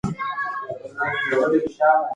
سپین سرې د خپلو ګونځو په منځ کې موسکۍ شوه.